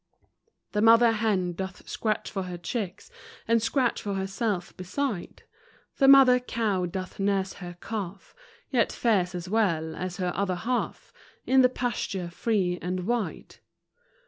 The mother hen doth scratch for her chicks, And scratch for herself beside; The mother cow doth nurse her calf, Yet fares as well as her other half In the pasture free and wide.